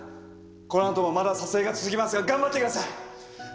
このあともまだ撮影が続きますが頑張ってください。